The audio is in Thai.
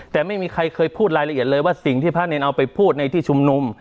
แต่ไม่มีใครเคยพูดรายละเอียดเลยว่าสิ่งที่พระเนรเอาไปพูดในที่ชุมนุม